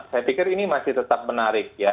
saya pikir ini masih tetap menarik ya